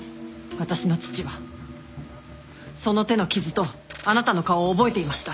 私の父はその手の傷とあなたの顔を覚えていました。